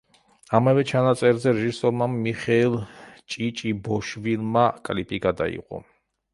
ამავე ჩანაწერზე რეჟისორმა მიხეილ ჭიჭიბოშვილმა კლიპი გადაიღო.